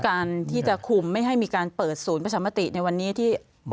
การที่จะคุมไม่ให้มีการเปิดศูนย์ประชามติในวันนี้ที่